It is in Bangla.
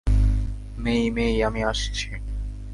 মেই-মেই, আমি আসছি।